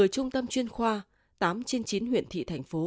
một mươi trung tâm chuyên khoa tám trên chín huyện thị thành phố